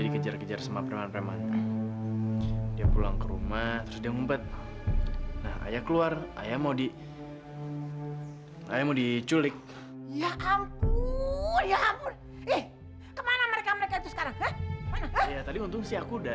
kerjaanmu udah beres